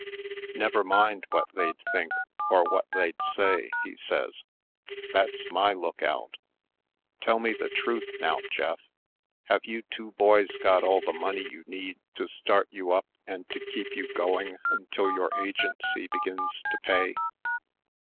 "Never mind v/hat they'd think or what they'd say," he says; "that's my look out. Tell me the truth now, Jeff, — have you two boys got all the money you need to start you up and to keep you going until your agency begins to pay?"